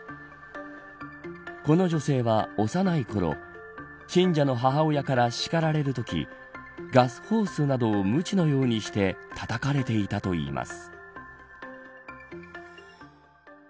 この女性は幼いころ信者の母親から叱られるときガスホースなどをむちのようにしてたたかれていたといいます。